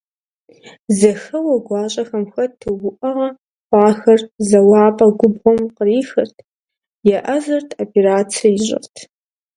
Зэхэуэ гуащӀэхэм хэту, уӀэгъэ хъуахэр зэуапӀэ губгъуэм кърихырт, еӀэзэрт, операцэ ищӀырт…